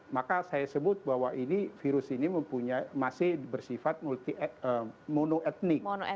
maka saya sebut bahwa virus ini masih bersifat monoetnik